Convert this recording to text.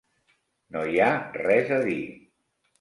No hi ha res a dir.